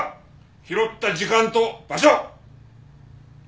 拾った時間と場所は！？